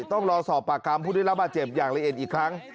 ต้องรอสอบปากคำผู้ได้รับบาดเจ็บอย่างละเอียดอีกครั้ง